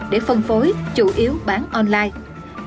để phân phối chủ yếu bán online